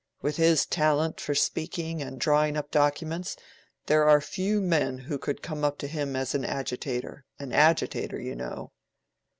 With his talent for speaking and drawing up documents, there are few men who could come up to him as an agitator—an agitator, you know."